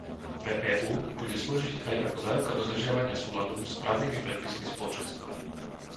Pre EÚ bude slúžiť aj ako záruka dodržiavania súladu s právnymi predpismi Spoločenstva.